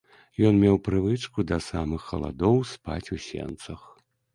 Ён меў прывычку да самых халадоў спаць у сенцах.